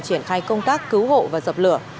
triển khai công tác cứu hộ và dập lửa